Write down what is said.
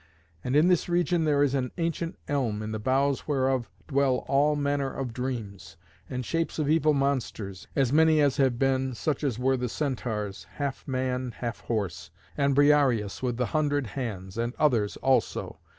And in this region there is an ancient elm, in the boughs whereof dwell all manner of dreams, and shapes of evil monsters, as many as have been, such as were the Centaurs, half man half horse, and Briareus with the hundred hands, and others also.